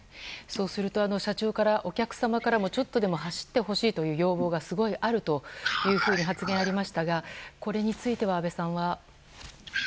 そうすると、社長からお客様からもちょっとでも走ってほしいという要望がすごいあると発言がありましたがこれについては安倍さんは。